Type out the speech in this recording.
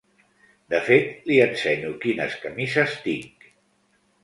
De fet li ensenyo quines camises tinc.